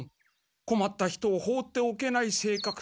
こまった人をほうっておけない性格。